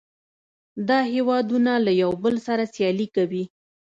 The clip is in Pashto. دا هیوادونه د یو بل سره سیالي کوي